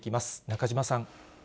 中島さん。